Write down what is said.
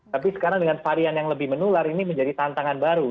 tapi sekarang dengan varian yang lebih menular ini menjadi tantangan baru